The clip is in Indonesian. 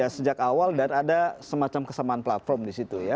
sejak awal dan ada semacam kesamaan platform di situ ya